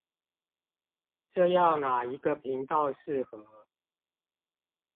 這樣哪一個頻道適合